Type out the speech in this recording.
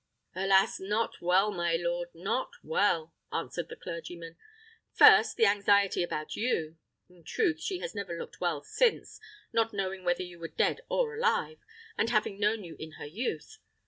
"Alas! not well, my lord, not well!" answered the clergyman. "First, the anxiety about you: in truth, she has never looked well since, not knowing whether you were dead or alive, and having known you in her youth.